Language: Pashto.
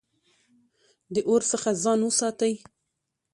د اور څخه ځان وساتئ